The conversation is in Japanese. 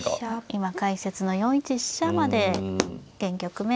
今解説の４一飛車まで現局面来ましたね。